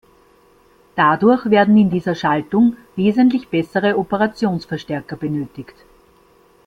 Dadurch werden in dieser Schaltung wesentlich bessere Operationsverstärker benötigt.